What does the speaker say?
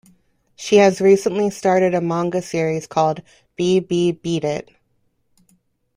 She has recently started a manga series called Bee-be-beat it!